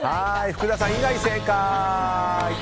福田さん以外正解。